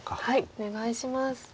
お願いします。